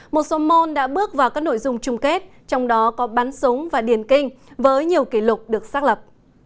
một số môn đã bước vào các nội dung chung kết trong đó có bắn súng và điền kinh với nhiều kỷ lục được xác lập